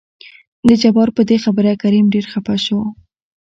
د جبار په دې خبره کريم ډېر خپه شو.